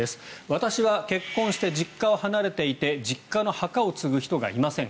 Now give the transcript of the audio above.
私は結婚して実家を離れていて実家の墓を継ぐ人がいません。